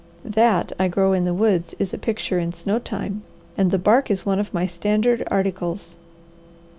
That I grow in the woods is a picture in snow time, and the bark is one of my standard articles."